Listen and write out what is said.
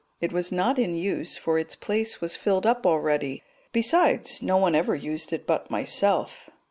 It was not in use, for its place was filled up already; besides, no one ever used it but myself.